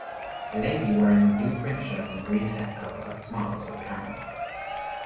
A lady wearing a blue print shirt and green head cover smiles for the camera.